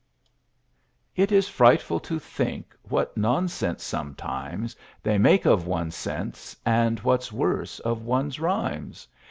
It is frightful to think What nonsense sometimes They make of one's sense And, what's worse, of one's rhymes.